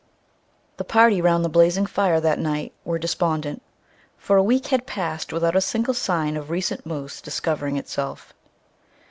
The party round the blazing fire that night were despondent, for a week had passed without a single sign of recent moose discovering itself.